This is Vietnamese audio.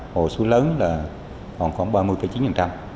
hồ sú lớn còn có ba mươi chín